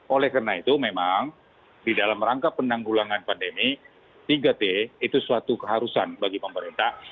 oleh karena itu memang di dalam rangka penanggulangan pandemi tiga t itu suatu keharusan bagi pemerintah